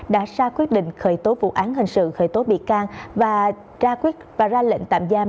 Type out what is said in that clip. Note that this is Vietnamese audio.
đã ra quyết định khởi tố vụ án hình sự khởi tố bị can và ra quyết và ra lệnh tạm giam